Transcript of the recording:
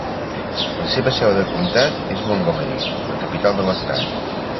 La seva seu de comtat és Montgomery, la capital de l'estat.